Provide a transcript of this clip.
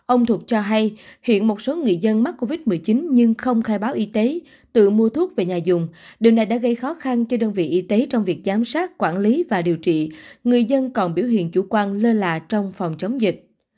ông thuật cho hay hiện một số người dân mắc covid một mươi chín nhưng không khai báo y tế tự mua thuốc về nhà dùng điều này đã gây khó khăn cho đơn vị y tế trong việc giám sát quản lý và điều trị người dân còn biểu hiện chủ quan lơ là trong phòng chống dịch